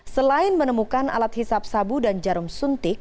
selain menemukan alat hisap sabu dan jarum suntik